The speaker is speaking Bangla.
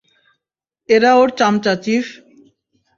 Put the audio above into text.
এরা ওর চামচা, চীফ।